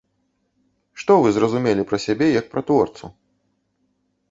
Што вы зразумелі пра сябе як пра творцу?